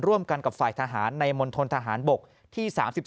ร่วมกันกับฝ่ายทหารในมณฑนทหารบกที่๓๒